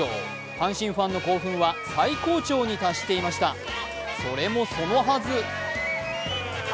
阪神ファンの興奮は最高潮に達していました、それもそのはず